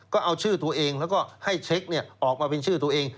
ก็เอาชื่อตัวเองแล้วก็ให้เช็คออกมาเป็นชื่อตัวเอง